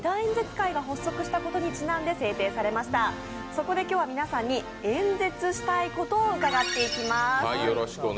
そこで今日は皆さんに演説したいことを伺っていきます。